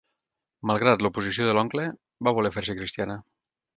Malgrat l'oposició de l'oncle, va voler fer-se cristiana.